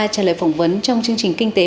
trả lời phỏng vấn trong chương trình kinh tế